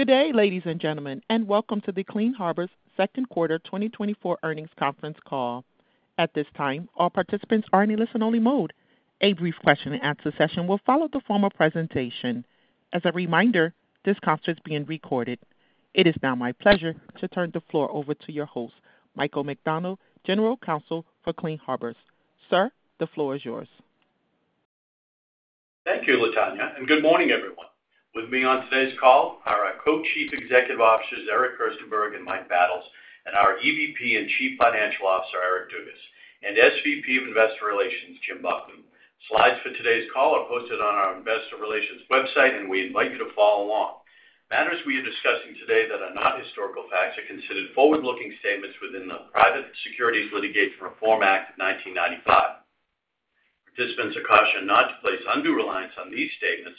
Good day, ladies and gentlemen, and welcome to the Clean Harbors Q2 2024 earnings conference call. At this time, all participants are in a listen-only mode. A brief question-and-answer session will follow the formal presentation. As a reminder, this conference is being recorded. It is now my pleasure to turn the floor over to your host, Michael McDonald, General Counsel for Clean Harbors. Sir, the floor is yours. Thank you, LaTonya, and good morning, everyone. With me on today's call are our Co-Chief Executive Officers, Eric Gerstenberg and Mike Battles, and our EVP and Chief Financial Officer, Eric Dugas, and SVP of Investor Relations, Jim Buckley. Slides for today's call are posted on our Investor Relations website, and we invite you to follow along. Matters we are discussing today that are not historical facts are considered forward-looking statements within the Private Securities Litigation Reform Act of 1995. Participants are cautioned not to place undue reliance on these statements,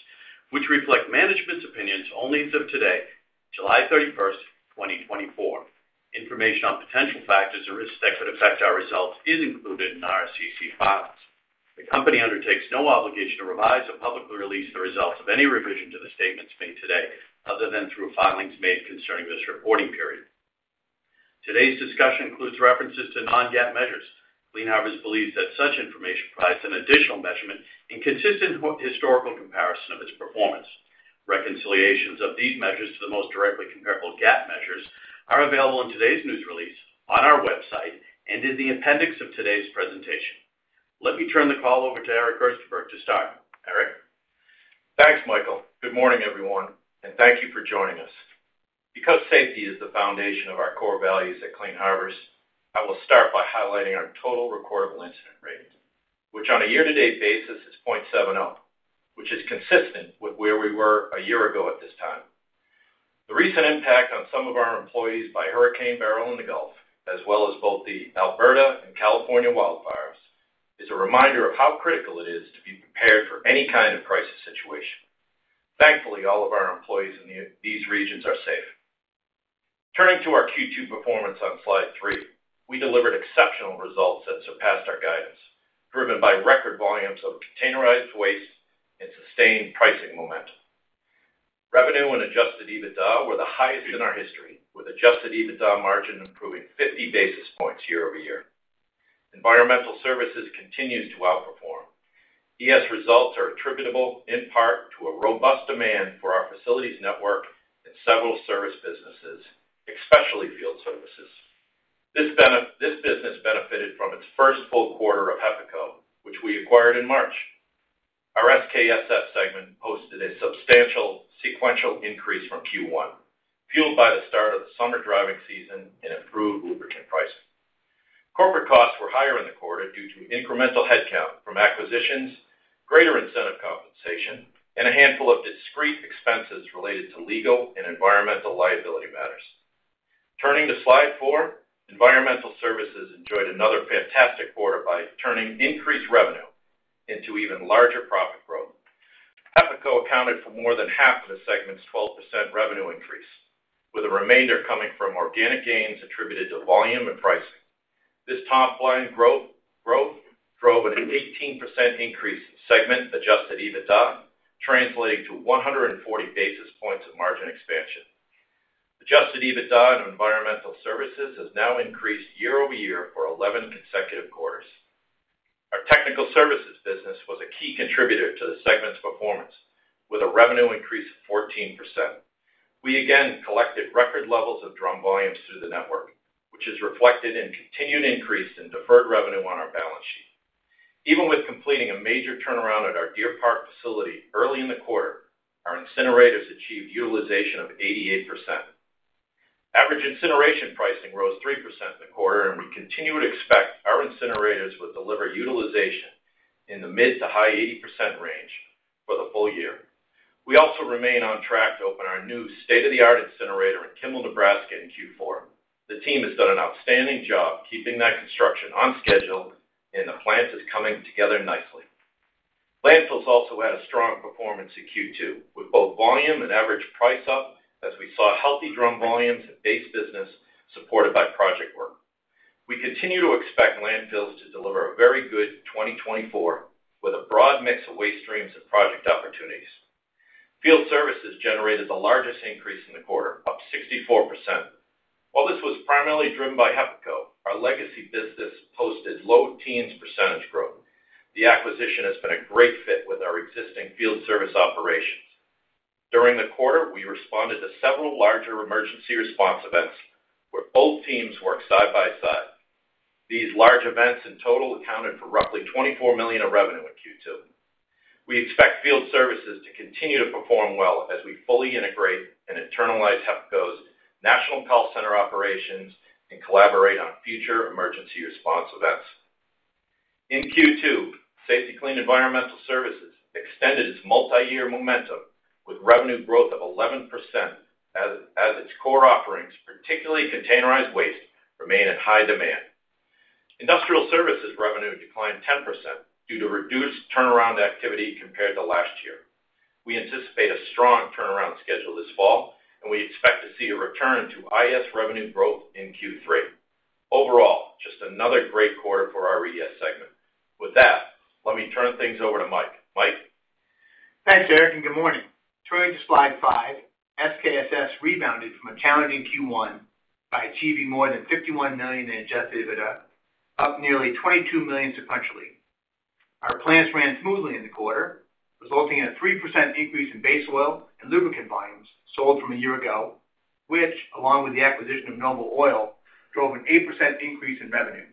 which reflect management's opinions only as of today, July 31st, 2024. Information on potential factors and risks that could affect our results is included in our SEC filings. The company undertakes no obligation to revise or publicly release the results of any revision to the statements made today other than through filings made concerning this reporting period. Today's discussion includes references to non-GAAP measures. Clean Harbors believes that such information provides an additional measurement in consistent historical comparison of its performance. Reconciliations of these measures to the most directly comparable GAAP measures are available in today's news release, on our website, and in the appendix of today's presentation. Let me turn the call over to Eric Gerstenberg to start. Eric? Thanks, Michael. Good morning, everyone, and thank you for joining us. Because safety is the foundation of our core values at Clean Harbors, I will start by highlighting our total recordable incident rate, which on a year-to-date basis is 0.70, which is consistent with where we were a year ago at this time. The recent impact on some of our employees by Hurricane Beryl in the Gulf, as well as both the Alberta and California wildfires, is a reminder of how critical it is to be prepared for any kind of crisis situation. Thankfully, all of our employees in these regions are safe. Turning to our Q2 performance on slide 3, we delivered exceptional results that surpassed our guidance, driven by record volumes of containerized waste and sustained pricing momentum. Revenue and adjusted EBITDA were the highest in our history, with adjusted EBITDA margin improving 50 basis points year-over-year. Environmental services continue to outperform. ES results are attributable in part to a robust demand for our facilities network and several service businesses, especially field services. This business benefited from its first full quarter of HEPACO, which we acquired in March. Our SKSS segment posted a substantial sequential increase from Q1, fueled by the start of the summer driving season and improved lubricant pricing. Corporate costs were higher in the quarter due to incremental headcount from acquisitions, greater incentive compensation, and a handful of discrete expenses related to legal and environmental liability matters. Turning to slide 4, environmental services enjoyed another fantastic quarter by turning increased revenue into even larger profit growth. HEPACO accounted for more than half of the segment's 12% revenue increase, with the remainder coming from organic gains attributed to volume and pricing. This top line growth drove an 18% increase in segment-adjusted EBITDA, translating to 140 basis points of margin expansion. Adjusted EBITDA in environmental services has now increased year-over-year for 11 consecutive quarters. Our Technical Services business was a key contributor to the segment's performance, with a revenue increase of 14%. We again collected record levels of drum volumes through the network, which is reflected in continued increase in deferred revenue on our balance sheet. Even with completing a major turnaround at our Deer Park facility early in the quarter, our incinerators achieved utilization of 88%. Average incineration pricing rose 3% in the quarter, and we continue to expect our incinerators would deliver utilization in the mid-to-high 80% range for the full year. We also remain on track to open our new state-of-the-art incinerator in Kimball, Nebraska, in Q4. The team has done an outstanding job keeping that construction on schedule, and the plant is coming together nicely. Landfills also had a strong performance in Q2, with both volume and average price up, as we saw healthy drum volumes and base business supported by project work. We continue to expect landfills to deliver a very good 2024 with a broad mix of waste streams and project opportunities. Field services generated the largest increase in the quarter, up 64%. While this was primarily driven by HEPACO, our legacy business posted low teens% growth. The acquisition has been a great fit with our existing field service operations. During the quarter, we responded to several larger emergency response events where both teams worked side by side. These large events in total accounted for roughly $24 million in revenue in Q2. We expect field services to continue to perform well as we fully integrate and internalize HEPACO's national call center operations and collaborate on future emergency response events. In Q2, Safety-Kleen Environmental Services extended its multi-year momentum with revenue growth of 11% as its core offerings, particularly containerized waste, remain in high demand. Industrial Services revenue declined 10% due to reduced turnaround activity compared to last year. We anticipate a strong turnaround schedule this fall, and we expect to see a return to IS revenue growth in Q3. Overall, just another great quarter for our ES segment. With that, let me turn things over to Mike. Mike. Thanks, Eric, and good morning. Turning to slide 5, SKSS rebounded from a challenging Q1 by achieving more than $51 million in adjusted EBITDA, up nearly $22 million sequentially. Our plants ran smoothly in the quarter, resulting in a 3% increase in base oil and lubricant volumes sold from a year ago, which, along with the acquisition of Noble Oil, drove an 8% increase in revenue.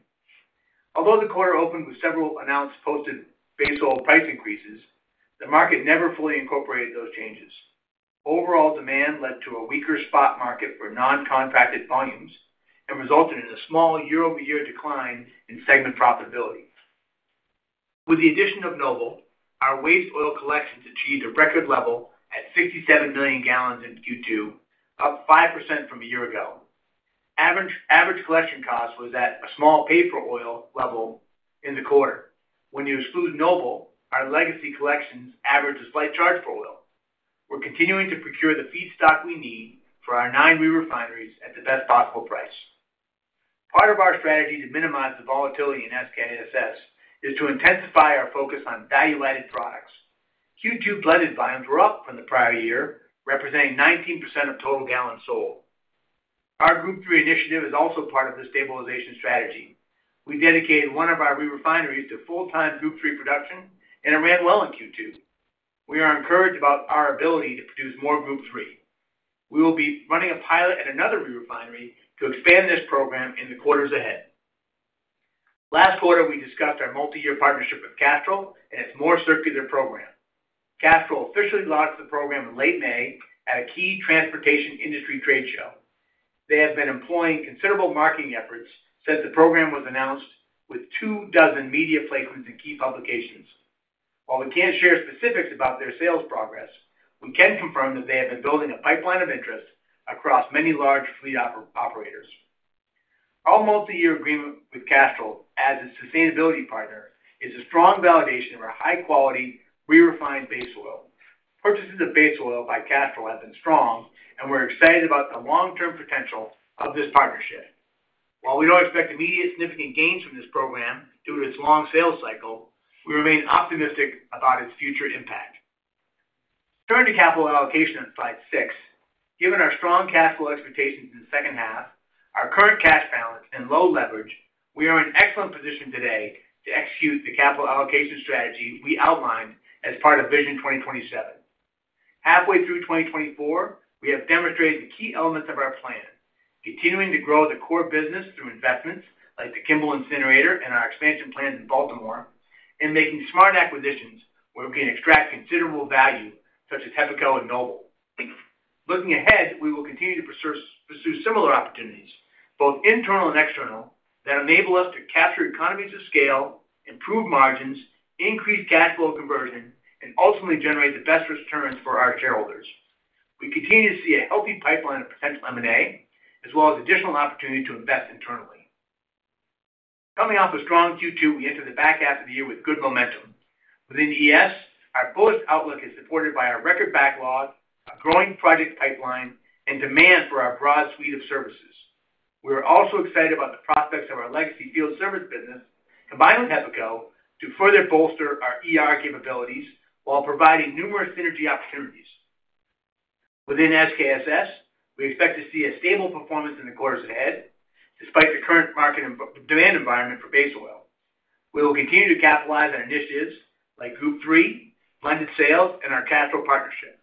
Although the quarter opened with several announced posted base oil price increases, the market never fully incorporated those changes. Overall demand led to a weaker spot market for non-contracted volumes and resulted in a small year-over-year decline in segment profitability. With the addition of Noble, our waste oil collections achieved a record level at 67 million gallons in Q2, up 5% from a year ago. Average collection cost was at a small pay-for-oil level in the quarter. When you exclude Noble, our legacy collections average a slight charge for oil. We're continuing to procure the feedstock we need for our nine re-refineries at the best possible price. Part of our strategy to minimize the volatility in SKSS is to intensify our focus on value-added products. Q2 blended volumes were up from the prior year, representing 19% of total gallons sold. Our Group III initiative is also part of the stabilization strategy. We dedicated one of our re-refineries to full-time Group III production, and it ran well in Q2. We are encouraged about our ability to produce more Group III. We will be running a pilot at another re-refinery to expand this program in the quarters ahead. Last quarter, we discussed our multi-year partnership with Castrol and its more circular program. Castrol officially launched the program in late May at a key transportation industry trade show. They have been employing considerable marketing efforts since the program was announced, with two dozen media placements and key publications. While we can't share specifics about their sales progress, we can confirm that they have been building a pipeline of interest across many large fleet operators. Our multi-year agreement with Castrol as its sustainability partner is a strong validation of our high-quality re-refined base oil. Purchases of base oil by Castrol have been strong, and we're excited about the long-term potential of this partnership. While we don't expect immediate significant gains from this program due to its long sales cycle, we remain optimistic about its future impact. Turning to capital allocation on slide 6, given our strong cash flow expectations in the H2, our current cash balance, and low leverage, we are in an excellent position today to execute the capital allocation strategy we outlined as part of Vision 2027. Halfway through 2024, we have demonstrated the key elements of our plan: continuing to grow the core business through investments like the Kimball incinerator and our expansion plans in Baltimore, and making smart acquisitions where we can extract considerable value, such as HEPACO and Noble. Looking ahead, we will continue to pursue similar opportunities, both internal and external, that enable us to capture economies of scale, improve margins, increase cash flow conversion, and ultimately generate the best returns for our shareholders. We continue to see a healthy pipeline of potential M&A, as well as additional opportunities to invest internally. Coming off a strong Q2, we enter the back half of the year with good momentum. Within ES, our bullish outlook is supported by our record backlog, a growing project pipeline, and demand for our broad suite of services. We are also excited about the prospects of our legacy field service business combined with HEPACO to further bolster our capabilities while providing numerous synergy opportunities. Within SKSS, we expect to see a stable performance in the quarters ahead, despite the current market and demand environment for base oil. We will continue to capitalize on initiatives like Group III, blended sales, and our Castrol partnership.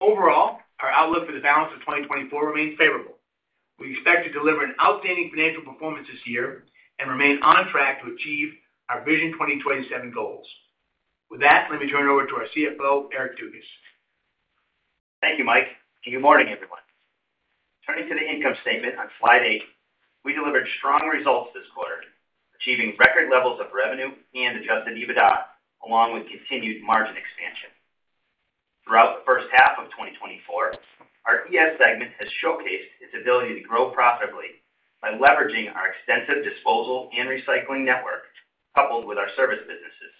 Overall, our outlook for the balance of 2024 remains favorable. We expect to deliver an outstanding financial performance this year and remain on track to achieve our Vision 2027 goals. With that, let me turn it over to our CFO, Eric Dugas. Thank you, Mike. Good morning, everyone. Turning to the income statement on slide 8, we delivered strong results this quarter, achieving record levels of revenue and Adjusted EBITDA, along with continued margin expansion. Throughout the H1 of 2024, our ES segment has showcased its ability to grow profitably by leveraging our extensive disposal and recycling network, coupled with our service businesses.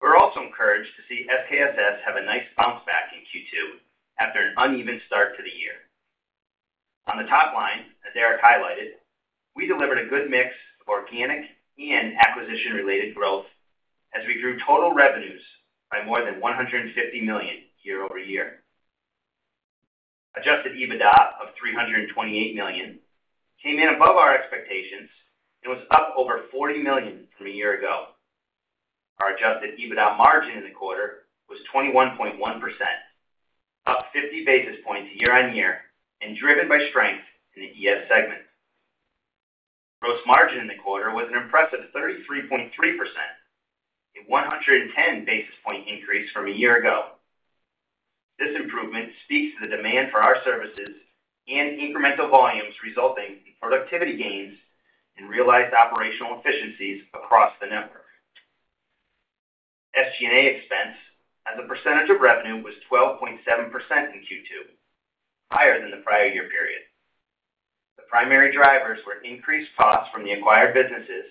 We're also encouraged to see SKSS have a nice bounce back in Q2 after an uneven start to the year. On the top line, as Eric highlighted, we delivered a good mix of organic and acquisition-related growth as we grew total revenues by more than $150 million year-over-year. Adjusted EBITDA of $328 million came in above our expectations and was up over $40 million from a year ago. Our adjusted EBITDA margin in the quarter was 21.1%, up 50 basis points year-over-year, and driven by strength in the ES segment. Gross margin in the quarter was an impressive 33.3%, a 110 basis point increase from a year ago. This improvement speaks to the demand for our services and incremental volumes resulting in productivity gains and realized operational efficiencies across the network. SG&A expense, as a percentage of revenue, was 12.7% in Q2, higher than the prior year period. The primary drivers were increased costs from the acquired businesses,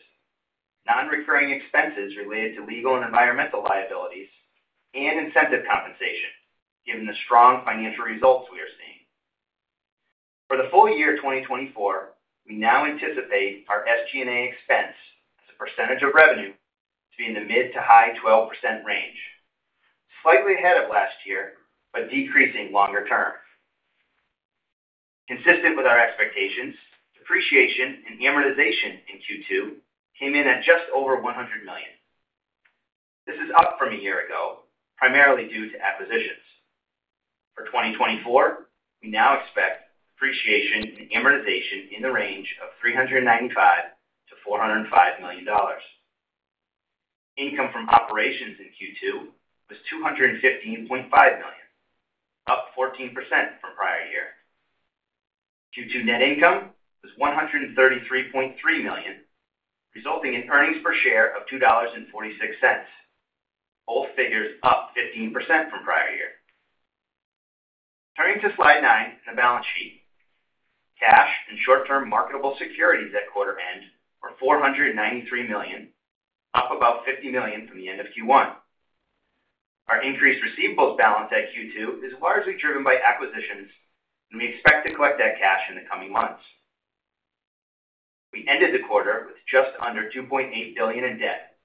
non-recurring expenses related to legal and environmental liabilities, and incentive compensation, given the strong financial results we are seeing. For the full year 2024, we now anticipate our SG&A expense as a percentage of revenue to be in the mid-to-high 12% range, slightly ahead of last year, but decreasing longer term. Consistent with our expectations, depreciation and amortization in Q2 came in at just over $100 million. This is up from a year ago, primarily due to acquisitions. For 2024, we now expect depreciation and amortization in the range of $395 million-$405 million. Income from operations in Q2 was $215.5 million, up 14% from prior year. Q2 net income was $133.3 million, resulting in earnings per share of $2.46, both figures up 15% from prior year. Turning to slide 9 in the balance sheet, cash and short-term marketable securities at quarter end were $493 million, up about $50 million from the end of Q1. Our increased receivables balance at Q2 is largely driven by acquisitions, and we expect to collect that cash in the coming months. We ended the quarter with just under $2.8 billion in debt,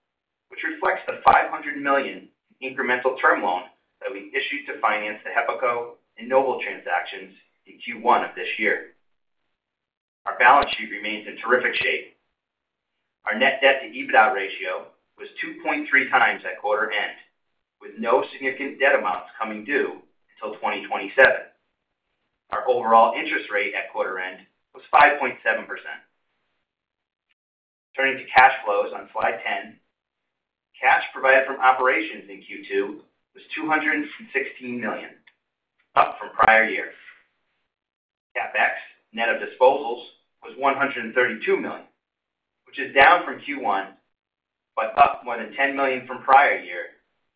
which reflects the $500 million incremental term loan that we issued to finance the HEPACO and Noble transactions in Q1 of this year. Our balance sheet remains in terrific shape. Our net debt to EBITDA ratio was 2.3x at quarter end, with no significant debt amounts coming due until 2027. Our overall interest rate at quarter end was 5.7%. Turning to cash flows on slide 10, cash provided from operations in Q2 was $216 million, up from prior year. CapEx, net of disposals, was $132 million, which is down from Q1, but up more than $10 million from prior year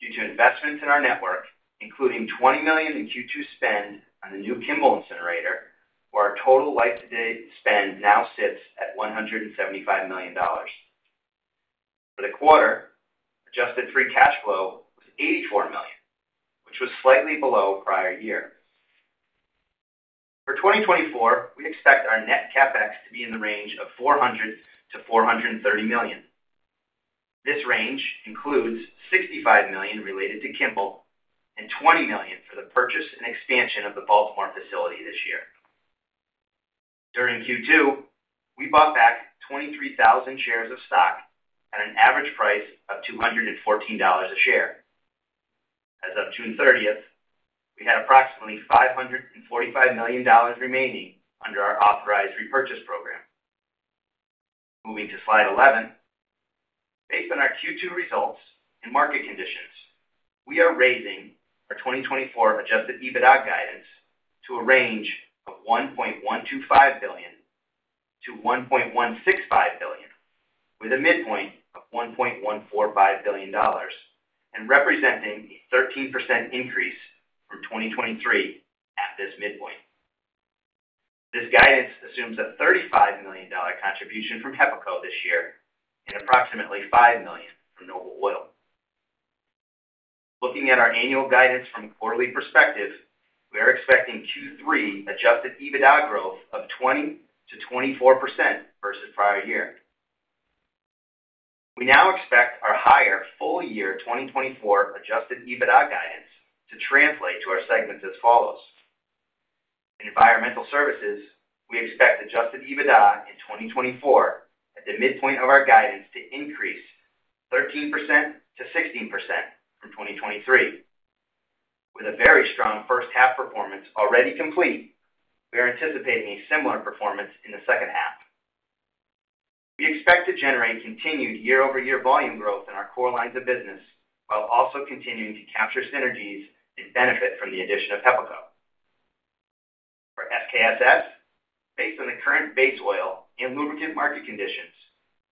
due to investments in our network, including $20 million in Q2 spend on the new Kimball incinerator, where our total year-to-date spend now sits at $175 million. For the quarter, adjusted free cash flow was $84 million, which was slightly below prior year. For 2024, we expect our net CapEx to be in the range of $400 million-$430 million. This range includes $65 million related to Kimball and $20 million for the purchase and expansion of the Baltimore facility this year. During Q2, we bought back 23,000 shares of stock at an average price of $214 a share. As of June 30th, we had approximately $545 million remaining under our authorized repurchase program. Moving to slide 11, based on our Q2 results and market conditions, we are raising our 2024 adjusted EBITDA guidance to a range of $1.125 billion-$1.165 billion, with a midpoint of $1.145 billion and representing a 13% increase from 2023 at this midpoint. This guidance assumes a $35 million contribution from HEPACO this year and approximately $5 million from Noble Oil. Looking at our annual guidance from a quarterly perspective, we are expecting Q3 adjusted EBITDA growth of 20%-24% versus prior year. We now expect our higher full year 2024 adjusted EBITDA guidance to translate to our segments as follows. In environmental services, we expect adjusted EBITDA in 2024 at the midpoint of our guidance to increase 13%-16% from 2023. With a very strong H1 performance already complete, we are anticipating a similar performance in the H2. We expect to generate continued year-over-year volume growth in our core lines of business while also continuing to capture synergies and benefit from the addition of HEPACO. For SKSS, based on the current base oil and lubricant market conditions,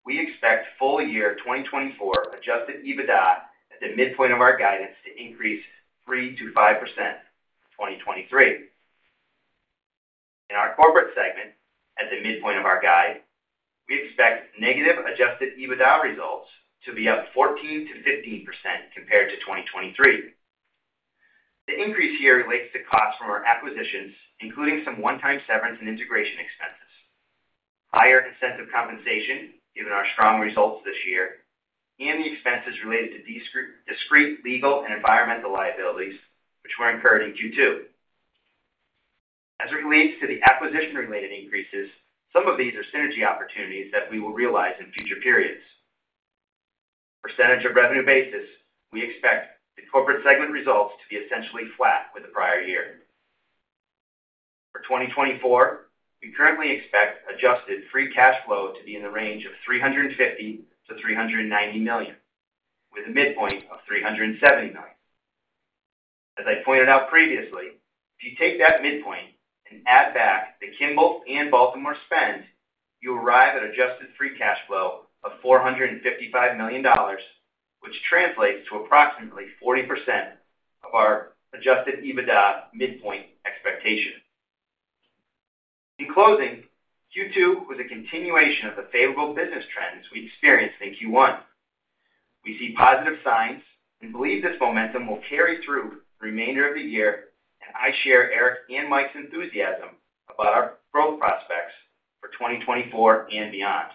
we expect full year 2024 adjusted EBITDA at the midpoint of our guidance to increase 3%-5% from 2023. In our corporate segment, at the midpoint of our guide, we expect negative Adjusted EBITDA results to be up 14%-15% compared to 2023. The increase here relates to costs from our acquisitions, including some one-time severance and integration expenses, higher incentive compensation given our strong results this year, and the expenses related to discrete legal and environmental liabilities, which were incurred in Q2. As it relates to the acquisition-related increases, some of these are synergy opportunities that we will realize in future periods. Percentage of revenue basis, we expect the corporate segment results to be essentially flat with the prior year. For 2024, we currently expect Adjusted Free Cash Flow to be in the range of $350 million-$390 million, with a midpoint of $370 million. As I pointed out previously, if you take that midpoint and add back the Kimball and Baltimore spend, you arrive at Adjusted Free Cash Flow of $455 million, which translates to approximately 40% of our Adjusted EBITDA midpoint expectation. In closing, Q2 was a continuation of the favorable business trends we experienced in Q1. We see positive signs and believe this momentum will carry through the remainder of the year, and I share Eric and Mike's enthusiasm about our growth prospects for 2024 and beyond.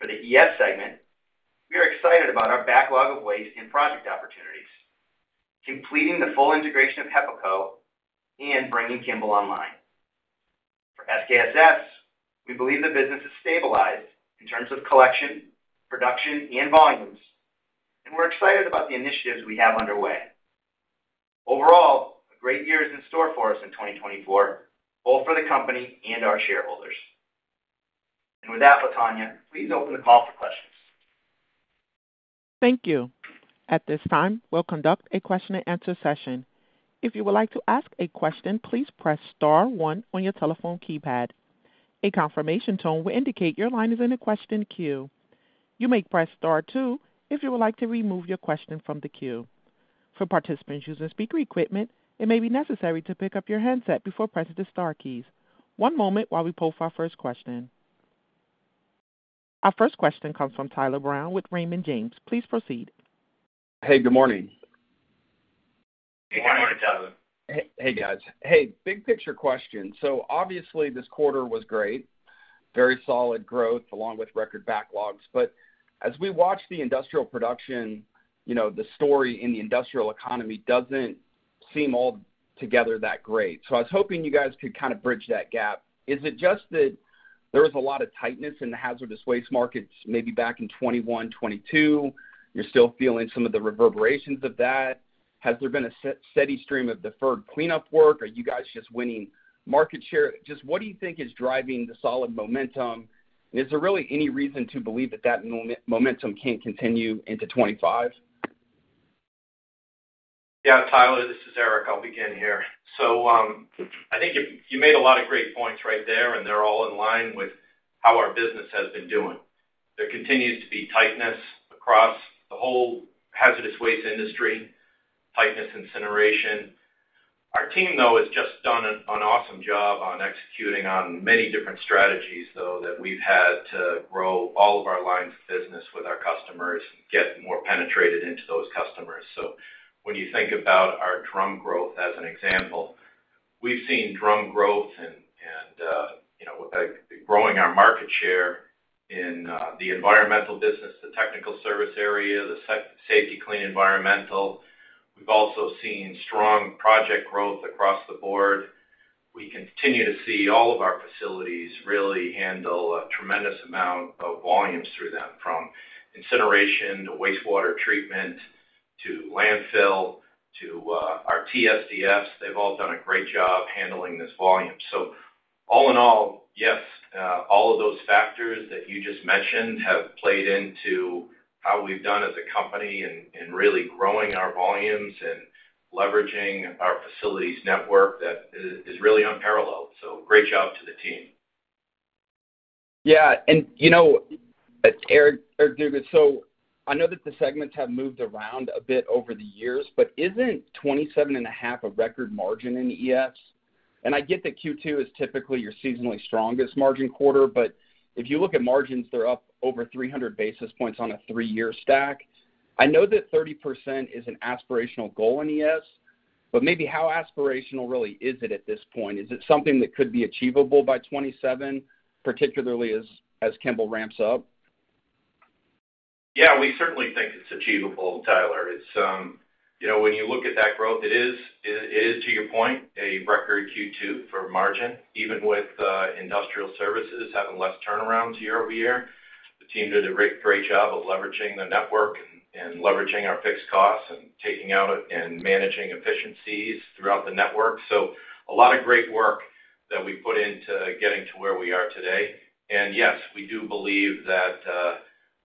For the ES segment, we are excited about our backlog of waste and project opportunities, completing the full integration of HEPACO and bringing Kimball online. For SKSS, we believe the business has stabilized in terms of collection, production, and volumes, and we're excited about the initiatives we have underway. Overall, a great year is in store for us in 2024, both for the company and our shareholders. With that, LaTonya, please open the call for questions. Thank you. At this time, we'll conduct a question-and-answer session. If you would like to ask a question, please press star one on your telephone keypad. A confirmation tone will indicate your line is in a question queue. You may press star two if you would like to remove your question from the queue. For participants using speaker equipment, it may be necessary to pick up your handset before pressing the star keys. One moment while we pull up our first question. Our first question comes from Tyler Brown with Raymond James. Please proceed. Hey, good morning. Good morning, Tyler. Hey, guys. Hey, big picture question. So obviously, this quarter was great, very solid growth along with record backlogs. But as we watch the industrial production, you know, the story in the industrial economy doesn't seem altogether that great. So I was hoping you guys could kind of bridge that gap. Is it just that there was a lot of tightness in the hazardous waste markets maybe back in 2021, 2022? You're still feeling some of the reverberations of that. Has there been a steady stream of deferred cleanup work? Are you guys just winning market share? Just what do you think is driving the solid momentum? And is there really any reason to believe that that momentum can't continue into 2025? Yeah, Tyler, this is Eric. I'll begin here. So I think you made a lot of great points right there, and they're all in line with how our business has been doing. There continues to be tightness across the whole hazardous waste industry, tightness incineration. Our team, though, has just done an awesome job on executing on many different strategies, though, that we've had to grow all of our lines of business with our customers and get more penetrated into those customers. So when you think about our drum growth, as an example, we've seen drum growth and, you know, growing our market share in the environmental business, the technical service area, the Safety-Kleen environmental. We've also seen strong project growth across the board. We continue to see all of our facilities really handle a tremendous amount of volumes through them, from incineration to wastewater treatment to landfill to our TSDFs. They've all done a great job handling this volume. All in all, yes, all of those factors that you just mentioned have played into how we've done as a company in really growing our volumes and leveraging our facilities network that is really unparalleled. Great job to the team. Yeah. You know, Eric, I know that the segments have moved around a bit over the years, but isn't 27.5% a record margin in ES? I get that Q2 is typically your seasonally strongest margin quarter, but if you look at margins, they're up over 300 basis points on a three-year stack. I know that 30% is an aspirational goal in ES, but maybe how aspirational really is it at this point? Is it something that could be achievable by 2027, particularly as Kimball ramps up? Yeah, we certainly think it's achievable, Tyler. It's, you know, when you look at that growth, it is, to your point, a record Q2 for margin, even with Industrial Services having less turnarounds year over year. The team did a great job of leveraging the network and leveraging our fixed costs and taking out and managing efficiencies throughout the network. So a lot of great work that we put into getting to where we are today. And yes, we do believe that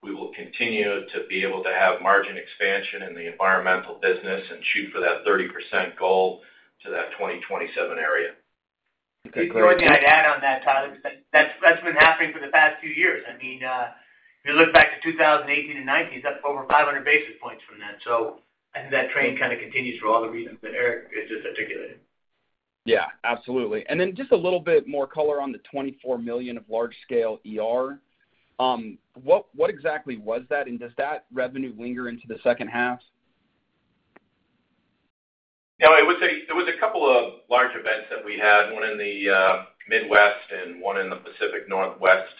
we will continue to be able to have margin expansion in the environmental business and shoot for that 30% goal to that 2027 area. If you could add on that, Tyler, because that's been happening for the past few years. I mean, if you look back to 2018 and 2019, it's up over 500 basis points from that. So I think that trend kind of continues for all the reasons that Eric is just articulating. Yeah, absolutely. And then just a little bit more color on the $24 million of large-scale. What exactly was that, and does that revenue linger into the H2? Yeah, it was a couple of large events that we had, one in the Midwest and one in the Pacific Northwest.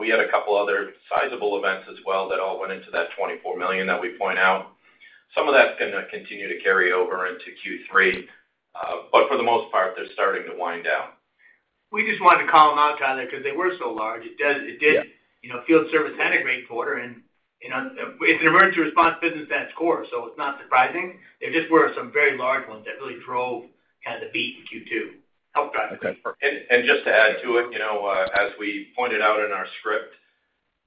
We had a couple of other sizable events as well that all went into that $24 million that we point out. Some of that's going to continue to carry over into Q3, but for the most part, they're starting to wind down. We just wanted to call them out, Tyler, because they were so large. It did, you know, field service had a great quarter, and it's an emergency response business at its core, so it's not surprising. There just were some very large ones that really drove kind of the beat in Q2. Okay. Just to add to it, you know, as we pointed out in our script,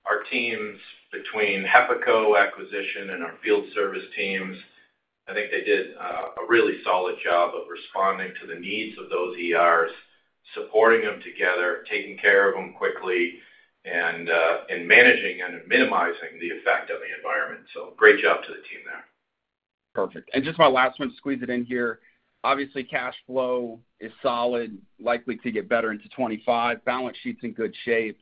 our teams between HEPACO acquisition and our field service teams, I think they did a really solid job of responding to the needs of those ERs, supporting them together, taking care of them quickly, and managing and minimizing the effect on the environment. Great job to the team there. Perfect. And just my last one, to squeeze it in here. Obviously, cash flow is solid, likely to get better into 2025. Balance sheet's in good shape.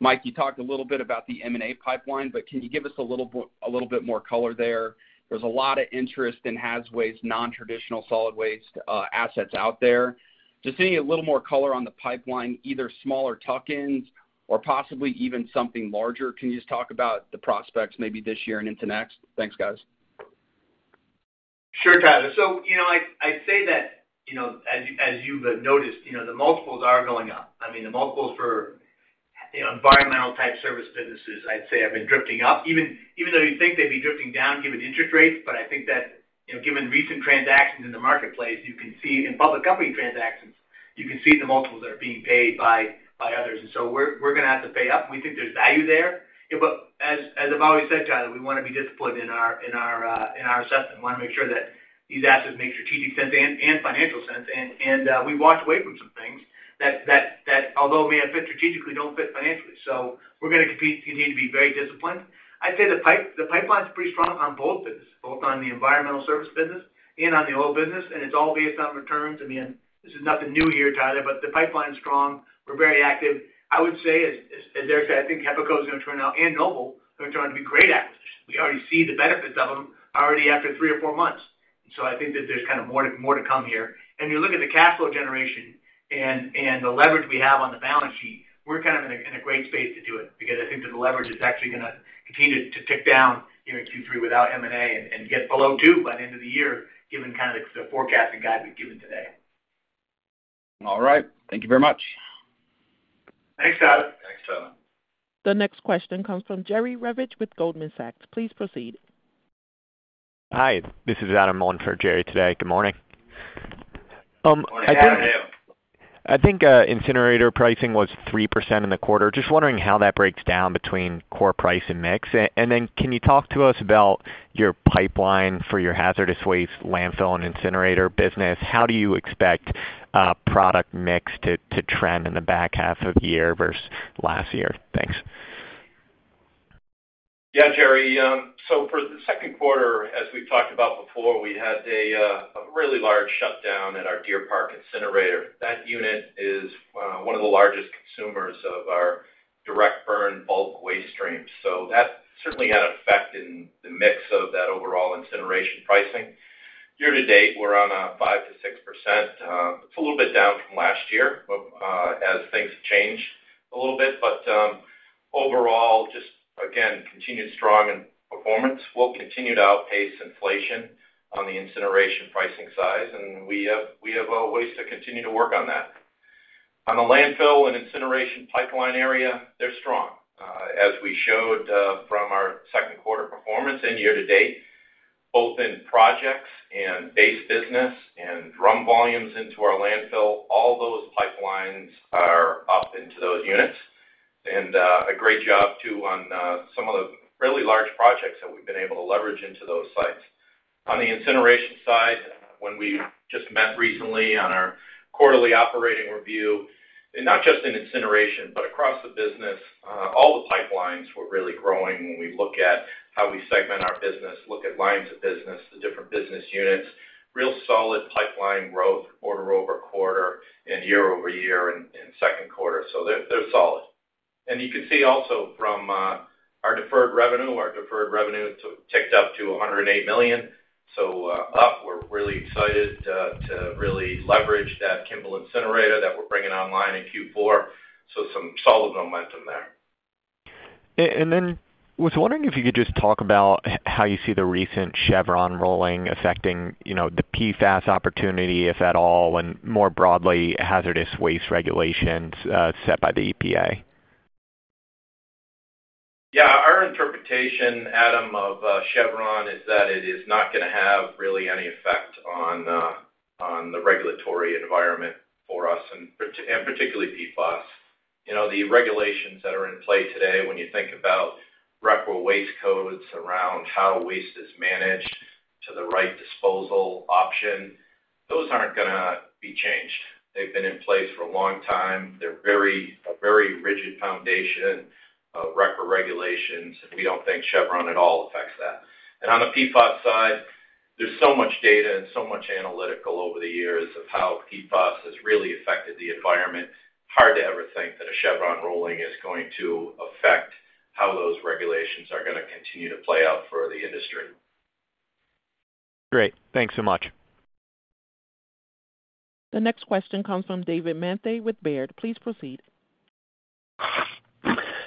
Mike, you talked a little bit about the M&A pipeline, but can you give us a little bit more color there? There's a lot of interest in hazardous waste, non-traditional solid waste assets out there. Just need a little more color on the pipeline, either smaller tuck-ins or possibly even something larger. Can you just talk about the prospects maybe this year and into next? Thanks, guys. Sure, Tyler. So, you know, I'd say that, you know, as you've noticed, you know, the multiples are going up. I mean, the multiples for environmental-type service businesses, I'd say, have been drifting up, even though you'd think they'd be drifting down given interest rates. But I think that, you know, given recent transactions in the marketplace, you can see in public company transactions, you can see the multiples that are being paid by others. And so we're going to have to pay up. We think there's value there. But as I've always said, Tyler, we want to be disciplined in our assessment. We want to make sure that these assets make strategic sense and financial sense. And we've walked away from some things that, although may have fit strategically, don't fit financially. So we're going to continue to be very disciplined. I'd say the pipeline's pretty strong on both businesses, both on the environmental service business and on the oil business. And it's all based on returns. I mean, this is nothing new here, Tyler, but the pipeline's strong. We're very active. I would say, as Eric said, I think HEPACO is going to turn out and Noble are going to turn out to be great acquisitions. We already see the benefits of them already after three or four months. And so I think that there's kind of more to come here. And you look at the cash flow generation and the leverage we have on the balance sheet. We're kind of in a great space to do it because I think that the leverage is actually going to continue to tick down here in Q3 without M&A and get below two by the end of the year, given kind of the forecast and guide we've given today. All right. Thank you very much. Thanks, Tyler. Thanks, Tyler. The next question comes from Jerry Revich with Goldman Sachs. Please proceed. Hi. This is Adam on for Jerry today. Good morning. Morning, Adam. How are you? I think incinerator pricing was 3% in the quarter. Just wondering how that breaks down between core price and mix. Then can you talk to us about your pipeline for your hazardous waste, landfill, and incinerator business? How do you expect product mix to trend in the back half of the year versus last year? Thanks. Yeah, Jerry. So for the Q2, as we've talked about before, we had a really large shutdown at our Deer Park incinerator. That unit is one of the largest consumers of our direct burn bulk waste stream. So that certainly had an effect in the mix of that overall incineration pricing. Year to date, we're on a 5%-6%. It's a little bit down from last year as things have changed a little bit. But overall, just again, continued strong in performance. We'll continue to outpace inflation on the incineration pricing side, and we have a ways to continue to work on that. On the landfill and incineration pipeline area, they're strong. As we showed from our Q2 performance and year to date, both in projects and base business and drum volumes into our landfill, all those pipelines are up into those units. And a great job too on some of the really large projects that we've been able to leverage into those sites. On the incineration side, when we just met recently on our quarterly operating review, and not just in incineration, but across the business, all the pipelines were really growing when we look at how we segment our business, look at lines of business, the different business units, real solid pipeline growth quarter-over-quarter and year-over-year and Q2. So they're solid. And you can see also from our deferred revenue, our deferred revenue ticked up to $108 million. So up. We're really excited to really leverage that Kimball incinerator that we're bringing online in Q4. So some solid momentum there. And then was wondering if you could just talk about how you see the recent Chevron ruling affecting, you know, the PFAS opportunity, if at all, and more broadly, hazardous waste regulations set by the EPA? Yeah. Our interpretation, Adam, of Chevron is that it is not going to have really any effect on the regulatory environment for us, and particularly PFAS. You know, the regulations that are in play today, when you think about RCRA waste codes around how waste is managed to the right disposal option, those aren't going to be changed. They've been in place for a long time. They're a very rigid foundation of RCRA regulations. We don't think Chevron at all affects that. And on the PFAS side, there's so much data and so much analytical over the years of how PFAS has really affected the environment. Hard to ever think that a Chevron ruling is going to affect how those regulations are going to continue to play out for the industry. Great. Thanks so much. The next question comes from David Manthey with Baird. Please proceed.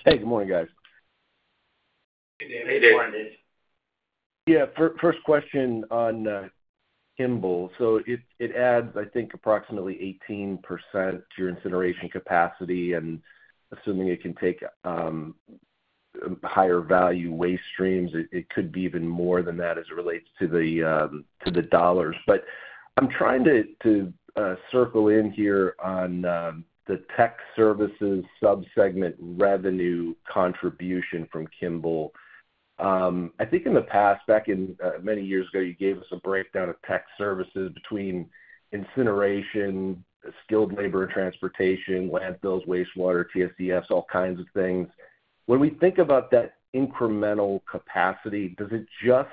Hey, good morning, guys. Hey, David. Yeah. First question on Kimball. So it adds, I think, approximately 18% to your incineration capacity. And assuming it can take higher value waste streams, it could be even more than that as it relates to the dollars. But I'm trying to circle in here on the tech services subsegment revenue contribution from Kimball. I think in the past, back many years ago, you gave us a breakdown of tech services between incineration, skilled labor and transportation, landfills, wastewater, TSDFs, all kinds of things. When we think about that incremental capacity, does it just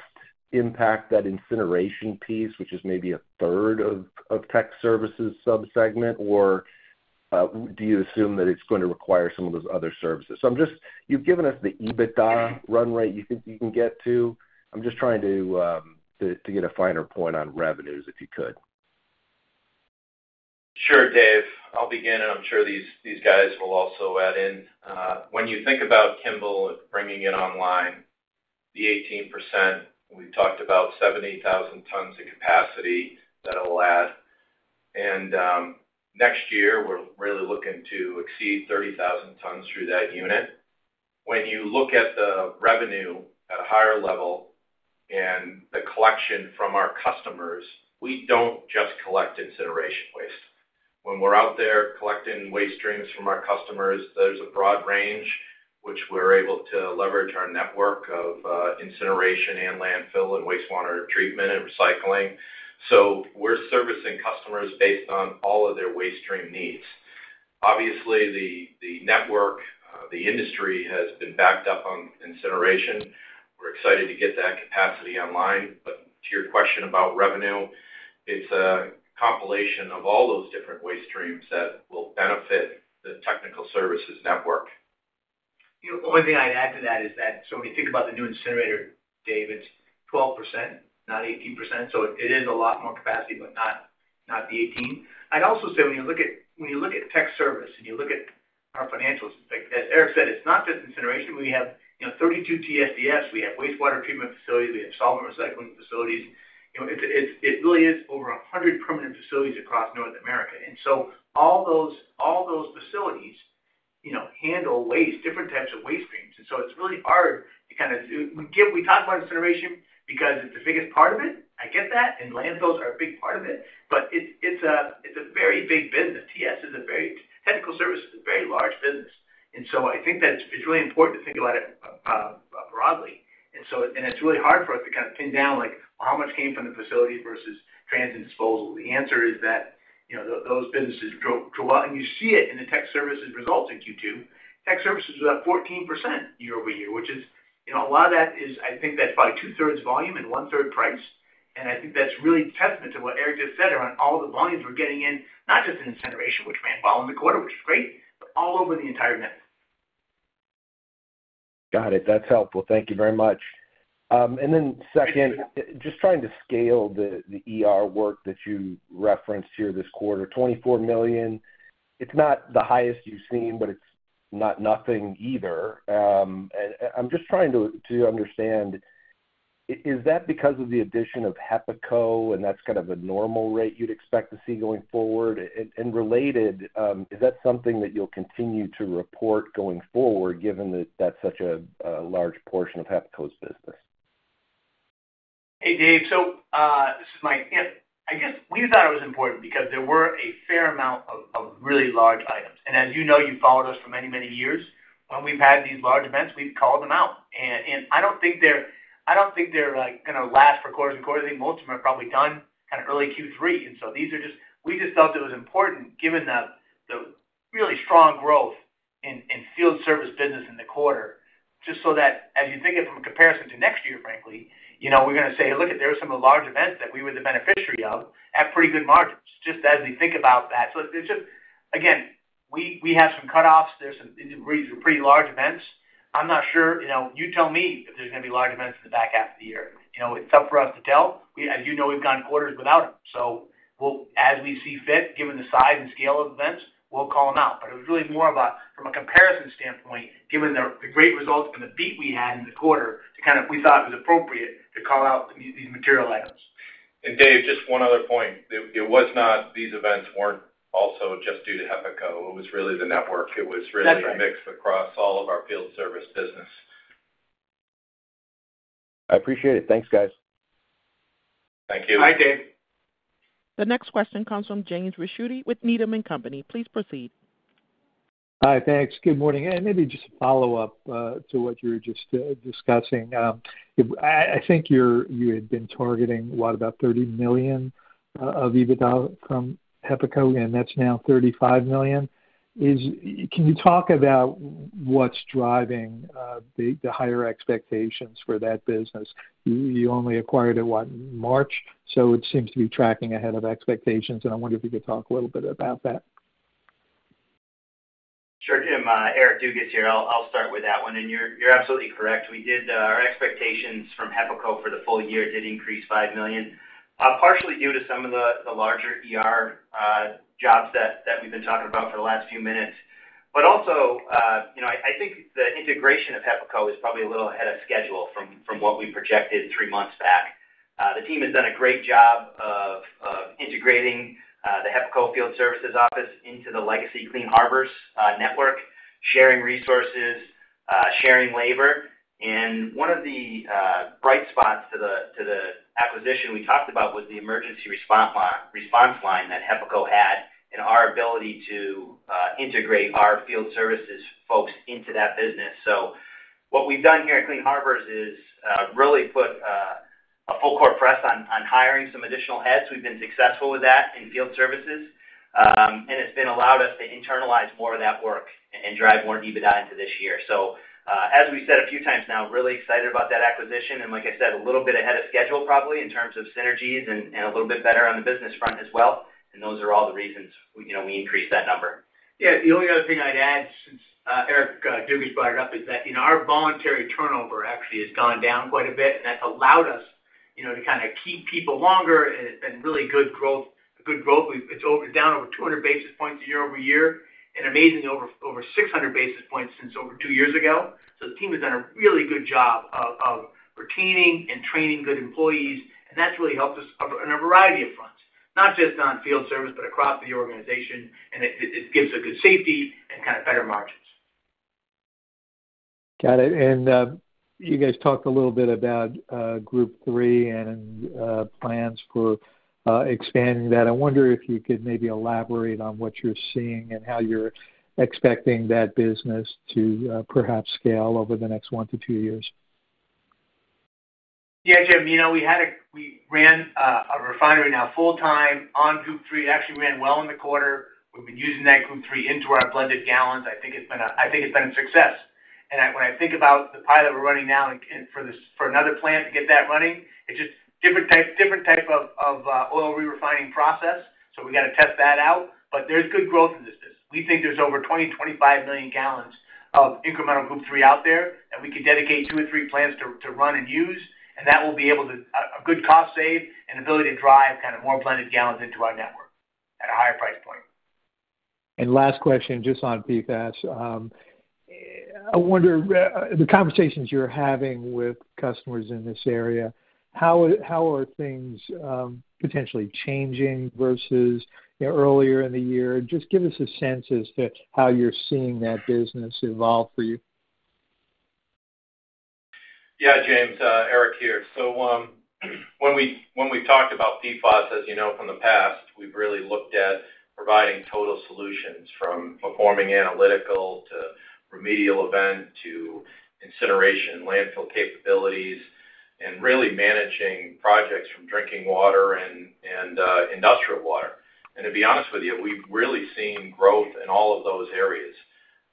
impact that incineration piece, which is maybe a third of tech services subsegment, or do you assume that it's going to require some of those other services? So I'm just—you've given us the EBITDA run rate you think you can get to. I'm just trying to get a finer point on revenues, if you could. Sure, Dave. I'll begin, and I'm sure these guys will also add in. When you think about Kimball bringing it online, the 18%, we've talked about 70,000 tons of capacity that it'll add. And next year, we're really looking to exceed 30,000 tons through that unit. When you look at the revenue at a higher level and the collection from our customers, we don't just collect incineration waste. When we're out there collecting waste streams from our customers, there's a broad range, which we're able to leverage our network of incineration and landfill and wastewater treatment and recycling. So we're servicing customers based on all of their waste stream needs. Obviously, the network, the industry has been backed up on incineration. We're excited to get that capacity online. But to your question about revenue, it's a compilation of all those different waste streams that will benefit the Technical Services network. The only thing I'd add to that is that, so when you think about the new incinerator, Dave, it's 12%, not 18%. So it is a lot more capacity, but not the 18%. I'd also say when you look at tech service and you look at our financials, as Eric said, it's not just incineration. We have 32 TSDFs. We have wastewater treatment facilities. We have solvent recycling facilities. It really is over 100 permanent facilities across North America. And so all those facilities, you know, handle different types of waste streams. And so it's really hard to kind of, we talk about incineration because it's the biggest part of it. I get that. And landfills are a big part of it. But it's a very big business. TS is a very, technical service is a very large business. And so I think that it's really important to think about it broadly. And it's really hard for us to kind of pin down, like, how much came from the facility versus transit disposal. The answer is that, you know, those businesses, and you see it in the tech services results in Q2. Tech services are about 14% year-over-year, which is, you know, a lot of that is—I think that's probably two-thirds volume and one-third price. And I think that's really a testament to what Eric just said around all the volumes we're getting in, not just in incineration, which ran well in the quarter, which is great, but all over the entire network. Got it. That's helpful. Thank you very much. And then second, just trying to scale the work that you referenced here this quarter, $24 million. It's not the highest you've seen, but it's not nothing either. And I'm just trying to understand, is that because of the addition of HEPACO, and that's kind of a normal rate you'd expect to see going forward? And related, is that something that you'll continue to report going forward, given that that's such a large portion of HEPACO's business? Hey, Dave. So this is Mike. I guess we thought it was important because there were a fair amount of really large items. And as you know, you've followed us for many, many years. When we've had these large events, we've called them out. And I don't think they're—I don't think they're going to last for quarters and quarters. I think most of them are probably done kind of early Q3. And so these are just—we just felt it was important, given the really strong growth in field service business in the quarter, just so that, as you think of it from a comparison to next year, frankly, you know, we're going to say, "Hey, look at there are some of the large events that we were the beneficiary of at pretty good margins." Just as we think about that. So it's just, again, we have some cutoffs. There's some pretty large events. I'm not sure. You know, you tell me if there's going to be large events in the back half of the year. You know, it's tough for us to tell. As you know, we've gone quarters without them. So as we see fit, given the size and scale of events, we'll call them out. But it was really more of a—from a comparison standpoint, given the great results and the beat we had in the quarter, to kind of—we thought it was appropriate to call out these material items. Dave, just one other point. It was not. These events weren't also just due to HEPACO. It was really the network. It was really a mix across all of our field service business. I appreciate it. Thanks, guys. Thank you. Bye, Dave. The next question comes from Jim Ricchiuti with Needham and Company. Please proceed. Hi, thanks. Good morning. And maybe just a follow-up to what you were just discussing. I think you had been targeting what, about $30 million of EBITDA from HEPACO, and that's now $35 million. Can you talk about what's driving the higher expectations for that business? You only acquired it, what, in March? So it seems to be tracking ahead of expectations. And I wonder if you could talk a little bit about that. Sure, Jim. Eric Dugas here. I'll start with that one. And you're absolutely correct. We did, our expectations from HEPACO for the full year did increase $5 million, partially due to some of the larger jobs that we've been talking about for the last few minutes. But also, you know, I think the integration of HEPACO is probably a little ahead of schedule from what we projected three months back. The team has done a great job of integrating the HEPACO Field Services office into the legacy Clean Harbors network, sharing resources, sharing labor. And one of the bright spots to the acquisition we talked about was the emergency response line that HEPACO had and our ability to integrate our Field Services folks into that business. So what we've done here at Clean Harbors is really put a full court press on hiring some additional heads. We've been successful with that in Field Services. And it's been allowed us to internalize more of that work and drive more EBITDA into this year. So as we've said a few times now, really excited about that acquisition. And like I said, a little bit ahead of schedule, probably, in terms of synergies and a little bit better on the business front as well. And those are all the reasons we increased that number. Yeah. The only other thing I'd add, since Eric Dugas brought it up, is that our voluntary turnover actually has gone down quite a bit. And that's allowed us to kind of keep people longer. It's been really good growth. It's down over 200 basis points year-over-year and amazingly over 600 basis points since over two years ago. So the team has done a really good job of retaining and training good employees. And that's really helped us on a variety of fronts, not just on field service, but across the organization. And it gives a good safety and kind of better margins. Got it. You guys talked a little bit about Group III and plans for expanding that. I wonder if you could maybe elaborate on what you're seeing and how you're expecting that business to perhaps scale over the next 1-2 years? Yeah, Jim. You know, we ran a refinery now full-time on Group III. It actually ran well in the quarter. We've been using that Group III into our blended gallons. I think it's been a success. And when I think about the pilot we're running now for another plant to get that running, it's just a different type of oil re-refining process. So we got to test that out. But there's good growth in this business. We think there's over 20-25 million gallons of incremental Group III out there that we could dedicate two or three plants to run and use. And that will be a good cost save and ability to drive kind of more blended gallons into our network at a higher price point. And last question, just on PFAS. I wonder, the conversations you're having with customers in this area, how are things potentially changing versus earlier in the year? Just give us a sense as to how you're seeing that business evolve for you. Yeah, Jim. Eric here. So when we've talked about PFAS, as you know from the past, we've really looked at providing total solutions from performing analytical to remediation to incineration and landfill capabilities and really managing projects from drinking water and industrial water. And to be honest with you, we've really seen growth in all of those areas.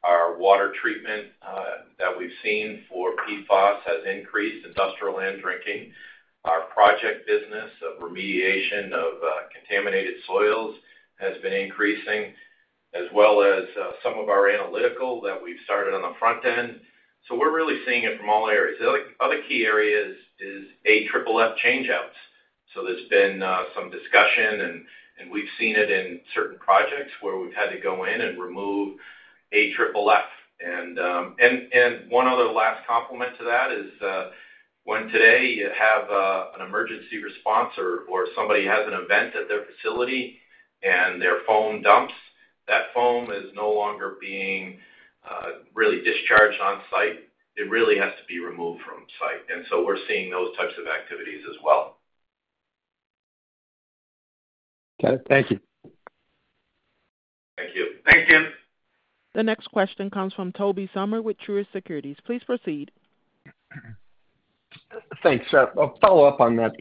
Our water treatment that we've seen for PFAS has increased, industrial and drinking. Our project business of remediation of contaminated soils has been increasing, as well as some of our analytical that we've started on the front end. So we're really seeing it from all areas. The other key area is AFFF changeouts. So there's been some discussion, and we've seen it in certain projects where we've had to go in and remove AFFF. And one other last complement to that is when today you have an emergency response or somebody has an event at their facility and their foam dumps, that foam is no longer being really discharged on site. It really has to be removed from site. And so we're seeing those types of activities as well. Got it. Thank you. Thank you. Thanks, Jim. The next question comes from Tobey Sommer with Truist Securities. Please proceed. Thanks, Seth. I'll follow up on that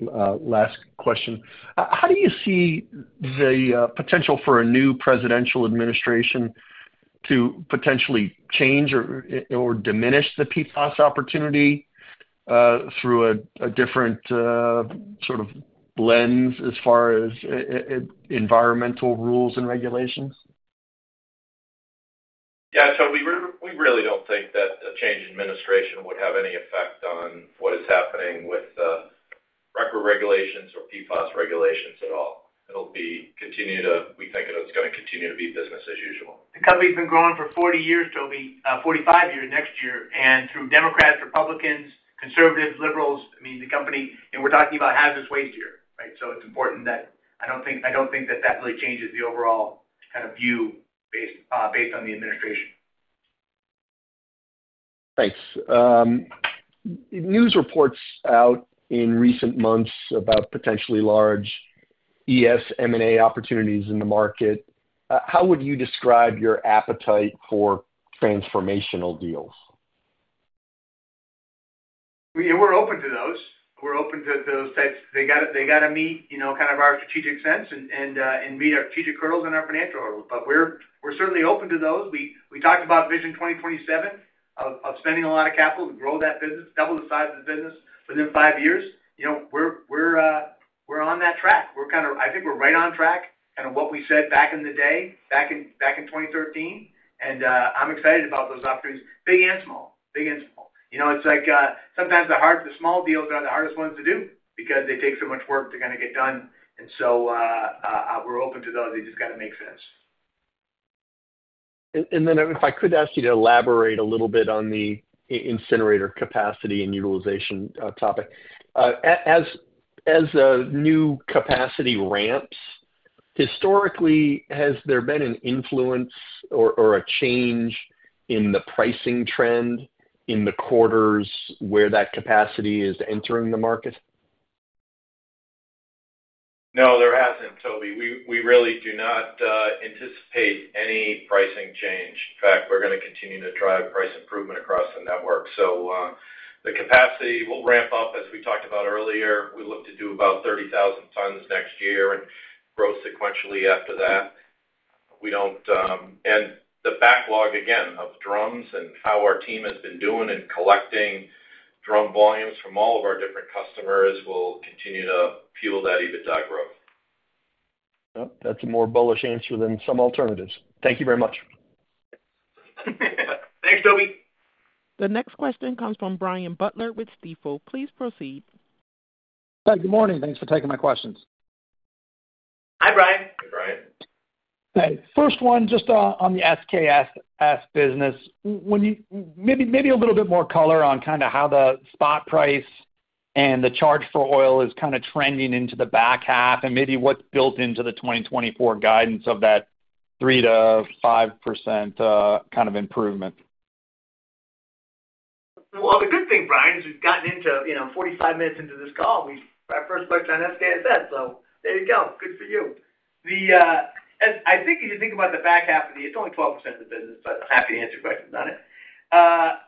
last question. How do you see the potential for a new presidential administration to potentially change or diminish the PFAS opportunity through a different sort of lens as far as environmental rules and regulations? Yeah. So we really don't think that a change in administration would have any effect on what is happening with RCRA regulations or PFAS regulations at all. It'll be continued to - we think it's going to continue to be business as usual. The company's been growing for 40 years, Toby, 45 years next year. Through Democrats, Republicans, conservatives, liberals, I mean, the company, and we're talking about hazardous waste here, right? So it's important that I don't think that that really changes the overall kind of view based on the administration. Thanks. News reports out in recent months about potentially large ES/M&A opportunities in the market. How would you describe your appetite for transformational deals? We're open to those. We're open to those types. They got to meet kind of our strategic sense and meet our strategic hurdles in our financial hurdles. But we're certainly open to those. We talked about Vision 2027 of spending a lot of capital to grow that business, double the size of the business within five years. You know, we're on that track. We're kind of—I think we're right on track, kind of what we said back in the day, back in 2013. And I'm excited about those opportunities, big and small, big and small. You know, it's like sometimes the small deals are the hardest ones to do because they take so much work to kind of get done. And so we're open to those. They just got to make sense. And then if I could ask you to elaborate a little bit on the incinerator capacity and utilization topic. As new capacity ramps, historically, has there been an influence or a change in the pricing trend in the quarters where that capacity is entering the market? No, there hasn't, Toby. We really do not anticipate any pricing change. In fact, we're going to continue to drive price improvement across the network. So the capacity will ramp up, as we talked about earlier. We look to do about 30,000 tons next year and grow sequentially after that. And the backlog, again, of drums and how our team has been doing in collecting drum volumes from all of our different customers will continue to fuel that EBITDA growth. That's a more bullish answer than some alternatives. Thank you very much. Thanks, Toby. The next question comes from Brian Butler with Stifel. Please proceed. Hi, good morning. Thanks for taking my questions. Hi, Brian. Hi, Brian. Hey. First one, just on the SKSS business, maybe a little bit more color on kind of how the spot price and the charge for oil is kind of trending into the back half and maybe what's built into the 2024 guidance of that 3%-5% kind of improvement. Well, the good thing, Brian, is we've gotten into 45 minutes into this call. We've had our first question on SKSS. So there you go. Good for you. I think if you think about the back half of the, it's only 12% of the business, but I'm happy to answer questions on it.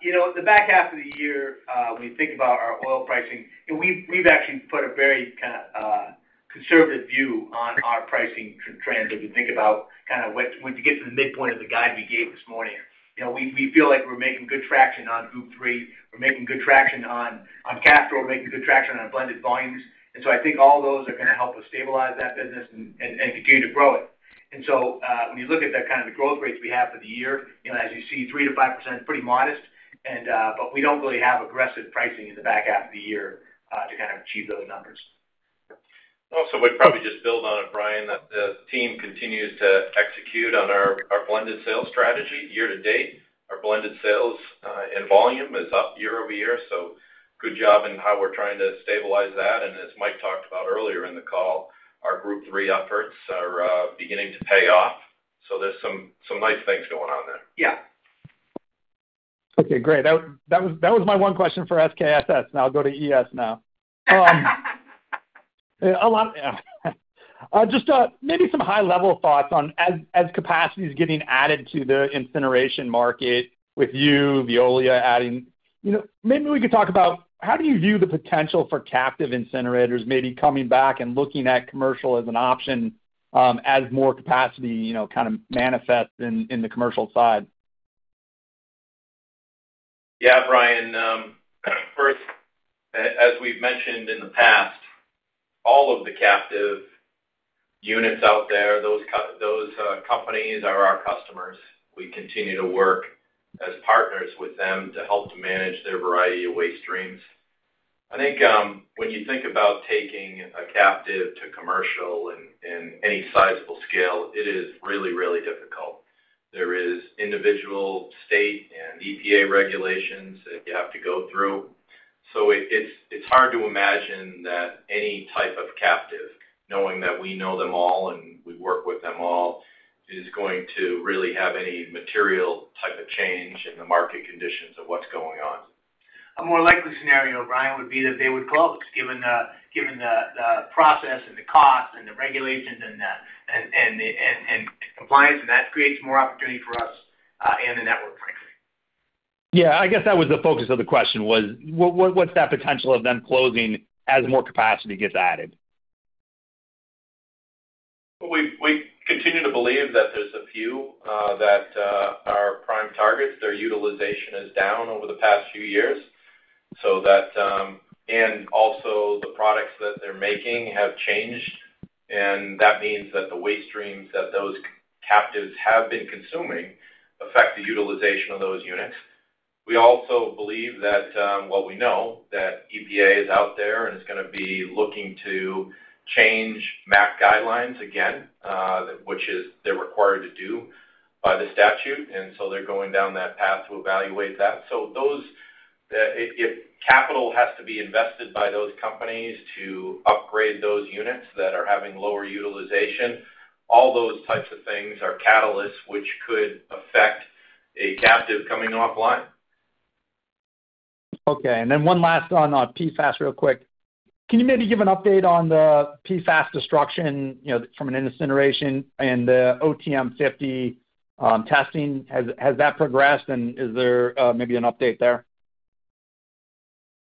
You know, the back half of the year, when you think about our oil pricing, we've actually put a very kind of conservative view on our pricing trends. If you think about kind of when you get to the midpoint of the guide we gave this morning, we feel like we're making good traction on Group III. We're making good traction on capital. We're making good traction on blended volumes. And so I think all those are going to help us stabilize that business and continue to grow it. And so when you look at that kind of the growth rates we have for the year, as you see, 3%-5% is pretty modest. But we don't really have aggressive pricing in the back half of the year to kind of achieve those numbers. Also, we'd probably just build on it, Brian, that the team continues to execute on our blended sales strategy year to date. Our blended sales and volume is up year-over-year. So good job in how we're trying to stabilize that. And as Mike talked about earlier in the call, our Group III efforts are beginning to pay off. So there's some nice things going on there. Yeah. Okay, great. That was my one question for SKSS. Now I'll go to ES now. Just maybe some high-level thoughts on, as capacity is getting added to the incineration market with you, Veolia adding, maybe we could talk about how do you view the potential for captive incinerators maybe coming back and looking at commercial as an option as more capacity kind of manifests in the commercial side? Yeah, Brian. First, as we've mentioned in the past, all of the captive units out there, those companies are our customers. We continue to work as partners with them to help to manage their variety of waste streams. I think when you think about taking a captive to commercial in any sizable scale, it is really, really difficult. There are individual state and EPA regulations that you have to go through. So it's hard to imagine that any type of captive, knowing that we know them all and we work with them all, is going to really have any material type of change in the market conditions of what's going on. A more likely scenario, Brian, would be that they would close, given the process and the cost and the regulations and compliance. That creates more opportunity for us and the network, frankly. Yeah. I guess that was the focus of the question, was what's that potential of them closing as more capacity gets added? We continue to believe that there's a few that are prime targets. Their utilization is down over the past few years. And also, the products that they're making have changed. And that means that the waste streams that those captives have been consuming affect the utilization of those units. We also believe that, well, we know that EPA is out there and is going to be looking to change MACT guidelines again, which they're required to do by the statute. And so they're going down that path to evaluate that. So if capital has to be invested by those companies to upgrade those units that are having lower utilization, all those types of things are catalysts which could affect a captive coming offline. Okay. And then one last on PFAS, real quick. Can you maybe give an update on the PFAS destruction from an incineration and the OTM-50 testing? Has that progressed? And is there maybe an update there?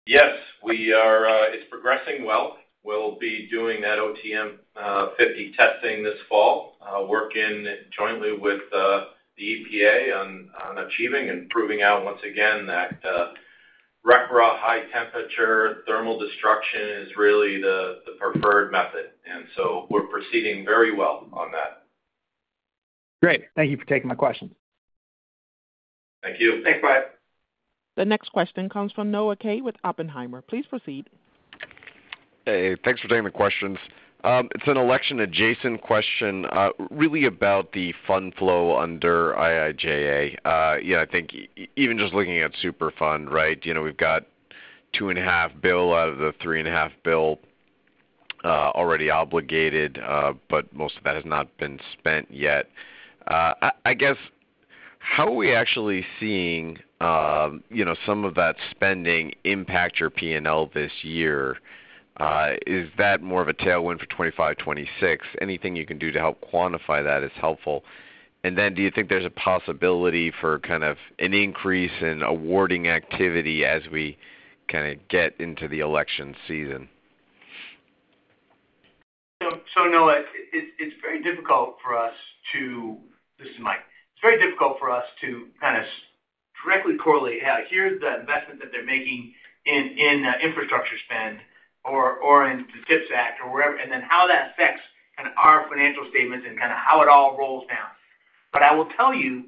Yes. It's progressing well. We'll be doing that OTM-50 testing this fall, working jointly with the EPA on achieving and proving out once again that RCRA high temperature thermal destruction is really the preferred method. And so we're proceeding very well on that. Great. Thank you for taking my questions. Thank you. Thanks, Brian. The next question comes from Noah Kaye with Oppenheimer. Please proceed. Hey, thanks for taking the questions. It's an election-adjacent question, really about the fund flow under IIJA. You know, I think even just looking at Superfund, right? You know, we've got $2.5 billion out of the $3.5 billion already obligated, but most of that has not been spent yet. I guess, how are we actually seeing some of that spending impact your P&L this year? Is that more of a tailwind for 2025-2026? Anything you can do to help quantify that is helpful. And then do you think there's a possibility for kind of an increase in awarding activity as we kind of get into the election season? So Noah, it's very difficult for us to—this is Mike. It's very difficult for us to kind of directly correlate how here's the investment that they're making in infrastructure spend or in the IIJA or wherever, and then how that affects kind of our financial statements and kind of how it all rolls down. But I will tell you,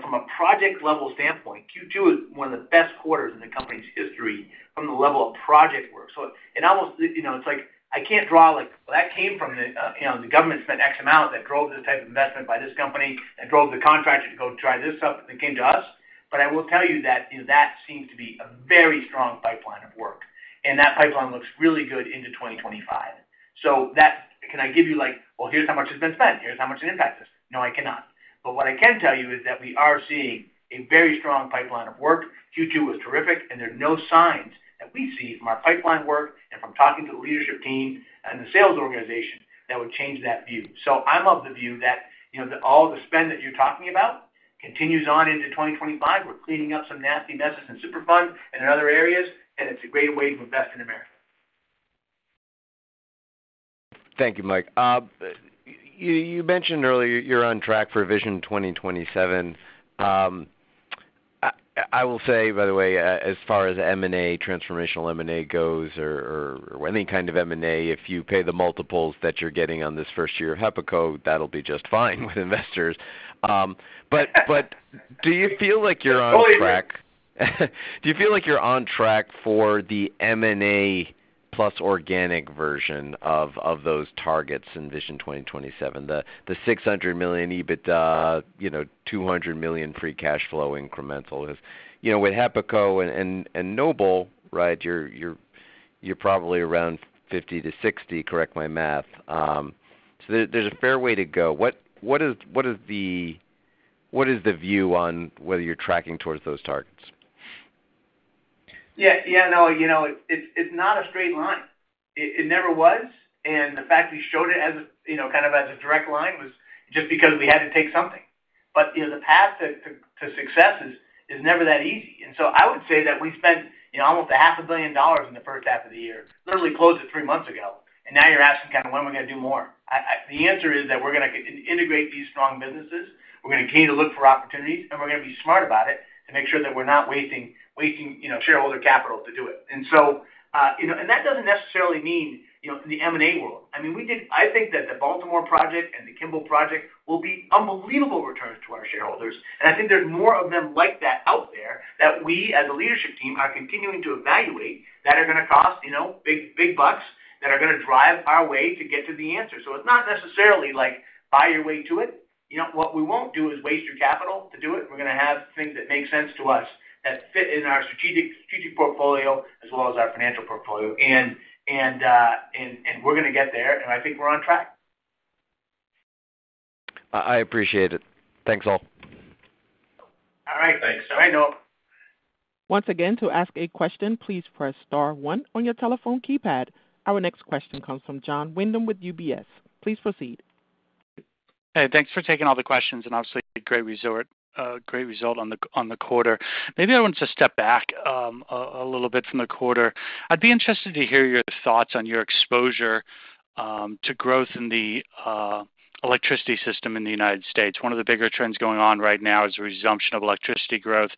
from a project-level standpoint, Q2 is one of the best quarters in the company's history from the level of project work. So it's like, I can't draw like, well, that came from the government spent X amount that drove this type of investment by this company and drove the contractor to go try this stuff that came to us. But I will tell you that that seems to be a very strong pipeline of work. And that pipeline looks really good into 2025. So can I give you like, well, here's how much has been spent. Here's how much it impacts us? No, I cannot. But what I can tell you is that we are seeing a very strong pipeline of work. Q2 was terrific. And there are no signs that we see from our pipeline work and from talking to the leadership team and the sales organization that would change that view. So I'm of the view that all the spend that you're talking about continues on into 2025. We're cleaning up some nasty messes in Superfund and in other areas. And it's a great way to invest in America. Thank you, Mike. You mentioned earlier you're on track for Vision 2027. I will say, by the way, as far as M&A, transformational M&A goes, or any kind of M&A, if you pay the multiples that you're getting on this first year of HEPACO, that'll be just fine with investors. But do you feel like you're on track? Do you feel like you're on track for the M&A plus organic version of those targets in Vision 2027, the $600 million EBITDA, $200 million free cash flow incremental? With HEPACO and Noble, right, you're probably around $50 million-$60 million, correct my math. So there's a fair way to go. What is the view on whether you're tracking towards those targets? Yeah, yeah, no. It's not a straight line. It never was. And the fact we showed it kind of as a direct line was just because we had to take something. But the path to success is never that easy. And so I would say that we spent almost $500 million in the H1 of the year, literally closed it three months ago. And now you're asking kind of when we're going to do more. The answer is that we're going to integrate these strong businesses. We're going to continue to look for opportunities. And we're going to be smart about it to make sure that we're not wasting shareholder capital to do it. And that doesn't necessarily mean in the M&A world. I mean, I think that the Baltimore project and the Kimball project will be unbelievable returns to our shareholders. And I think there's more of them like that out there that we, as a leadership team, are continuing to evaluate that are going to cost big bucks that are going to drive our way to get to the answer. So it's not necessarily like buy your way to it. What we won't do is waste your capital to do it. We're going to have things that make sense to us that fit in our strategic portfolio as well as our financial portfolio. And we're going to get there. And I think we're on track. I appreciate it. Thanks all. All right. Thanks. All right, Noah. Once again, to ask a question, please press star one on your telephone keypad. Our next question comes from Jon Windham with UBS. Please proceed. Hey, thanks for taking all the questions. Obviously, great result on the quarter. Maybe I want to step back a little bit from the quarter. I'd be interested to hear your thoughts on your exposure to growth in the electricity system in the United States. One of the bigger trends going on right now is the resumption of electricity growth,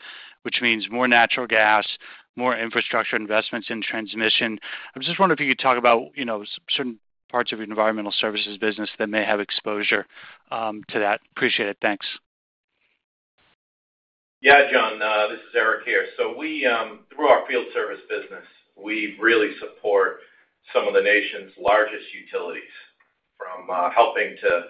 which means more natural gas, more infrastructure investments in transmission. I just wonder if you could talk about certain parts of your environmental services business that may have exposure to that. Appreciate it. Thanks. Yeah, Jon, this is Eric here. So through our field service business, we really support some of the nation's largest utilities from helping to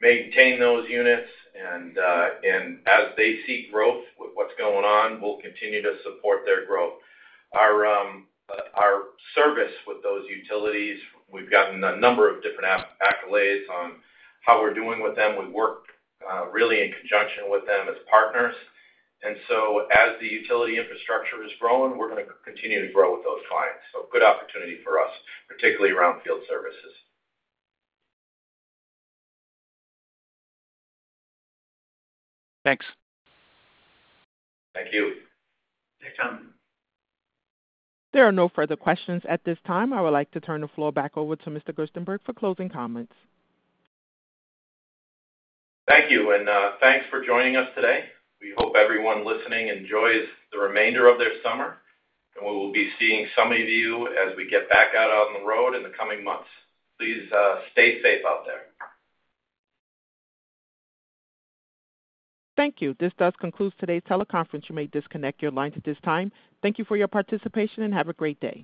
maintain those units. As they see growth with what's going on, we'll continue to support their growth. Our service with those utilities, we've gotten a number of different accolades on how we're doing with them. We work really in conjunction with them as partners. And so as the utility infrastructure is growing, we're going to continue to grow with those clients. So good opportunity for us, particularly around Field Services. Thanks. Thank you. Thanks, Jon. There are no further questions at this time. I would like to turn the floor back over to Mr. Gerstenberg for closing comments. Thank you. Thanks for joining us today. We hope everyone listening enjoys the remainder of their summer. We will be seeing some of you as we get back out on the road in the coming months. Please stay safe out there. Thank you. This does conclude today's teleconference. You may disconnect your lines at this time. Thank you for your participation and have a great day.